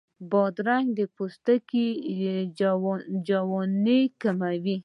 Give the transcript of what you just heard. بادرنګ د پوستکي جوانۍ کموي.